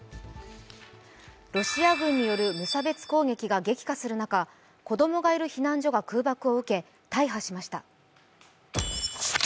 ロシア軍による無差別攻撃が激化する中、子供がいる避難情報が空爆を受け、大破しました。